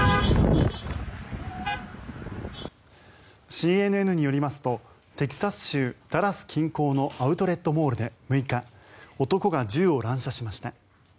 ＣＮＮによりますとテキサス州ダラス近郊のアウトレットモールで６日、男が銃を乱射しました。